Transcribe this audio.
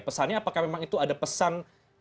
pesannya apakah memang itu ada pesan